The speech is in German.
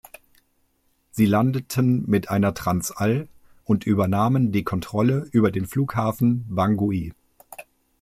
Sie landeten mit einer Transall und übernahmen die Kontrolle über den Flughafen Bangui.